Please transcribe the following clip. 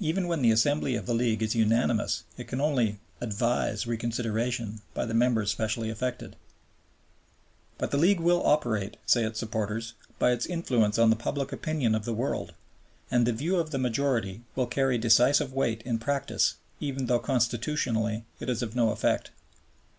Even when the Assembly of the League is unanimous it can only "advise" reconsideration by the members specially affected. But the League will operate, say its supporters, by its influence on the public opinion of the world, and the view of the majority will carry decisive weight in practice, even though constitutionally it is of no effect.